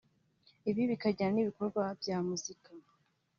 Ibi bikajyana n’ibikorwa bya muzika